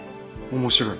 面白い？